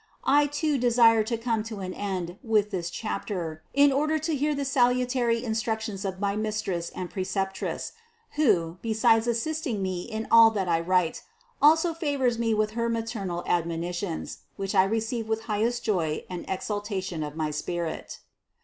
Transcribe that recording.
I too desire to come to an end with this chapter in order to hear the salutary instructions of my Mistress and Preceptress, who, besides assisting me in all that I write, also favors me with her maternal ad monitions, which I receive with highest joy and exulta tion of my spirit THE CONCEPTION 259 321.